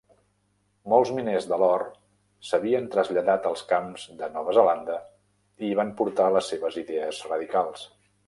Molts miners de l'or s'havien traslladat als camps de Nova Zelanda i hi van portar les seves idees radicals.